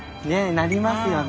なりますよね。